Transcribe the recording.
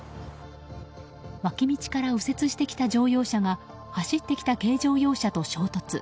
脇道から右折してきた乗用車が走ってきた軽乗用車と衝突。